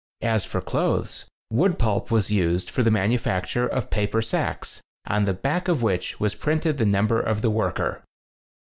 As for clothes, wood pulp was used for the manufacture of paper sacks, on the back of which was printed the number of the worker.